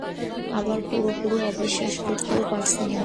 আবার পুরোপুরি অবিশ্বাসও করতে পারছি না।